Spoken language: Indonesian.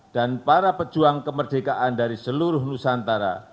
dan para pejuang kemerdekaan dari seluruh nusantara